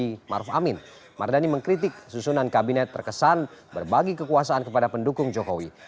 di maruf amin mardhani mengkritik susunan kabinet terkesan berbagi kekuasaan kepada pendukung jokowi